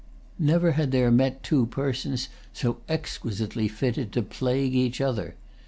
Never had there met two persons so exquisitely fitted to plague each other.